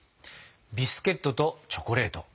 ビスケットとチョコレート。